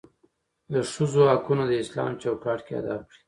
دښځو حقونه داسلام چوکاټ کې ادا کړى.